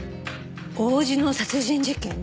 王子の殺人事件？